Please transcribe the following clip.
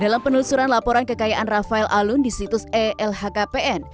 dalam penelusuran laporan kekayaan rafael alun di situs elhkpn